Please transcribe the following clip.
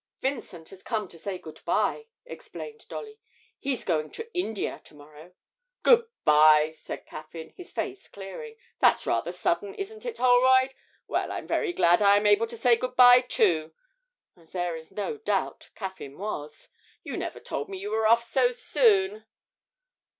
'Vincent has come to say good bye,' explained Dolly. 'He's going to India to morrow.' 'Good bye!' said Caffyn, his face clearing: 'that's rather sudden, isn't it, Holroyd? Well, I'm very glad I am able to say good bye too' (as there is no doubt Caffyn was). 'You never told me you were off so soon.'